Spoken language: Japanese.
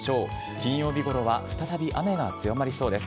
金曜日ごろは再び雨が強まりそうです。